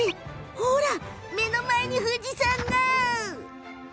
ほら、目の前に富士山！